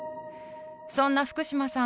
そんな福島さん